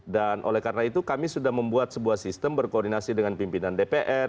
dan oleh karena itu kami sudah membuat sebuah sistem berkoordinasi dengan pimpinan dpr